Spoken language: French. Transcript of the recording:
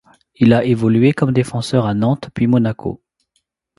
Il a évolué comme défenseur à Nantes puis Monaco.